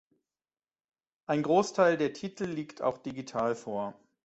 Ein Großteil der Titel liegt auch digital vor.